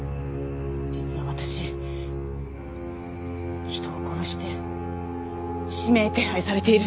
実は私人を殺して指名手配されているんです。